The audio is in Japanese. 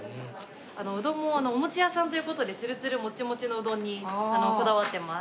うどんもお餅屋さんという事でツルツルモチモチのうどんにこだわってます。